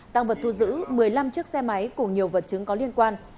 tăng vật thu giữ một mươi năm chiếc xe máy cùng nhiều vật chứng có liên quan